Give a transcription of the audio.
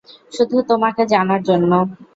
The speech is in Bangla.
শুধু তোমাকে জানার জন্য।